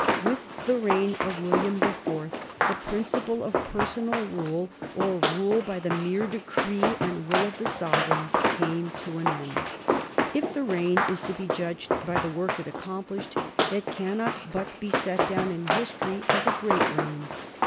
With the reign of William the Fourth the principle of personal rule, or rule by the mere decree and will of the sovereign, came to an end. If the reign is to be judged by the work it accomplished, it cannot but be set down in history as a great reign.